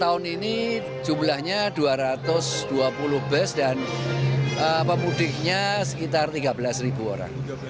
tahun ini jumlahnya dua ratus dua puluh bus dan pemudiknya sekitar tiga belas orang